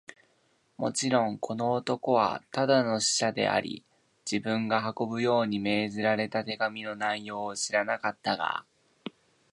もちろん、この男はただの使者であり、自分が運ぶように命じられた手紙の内容を知らなかったが、